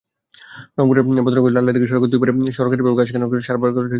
রংপুরের বদরগঞ্জ-লালদীঘি সড়কের দুই ধারে সরকারিভাবে লাগানো গাছ কেটে সাবাড় করছে দুর্বৃত্তরা।